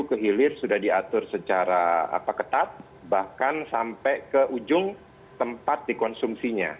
hulu ke hilir sudah diatur secara ketat bahkan sampai ke ujung tempat dikonsumsinya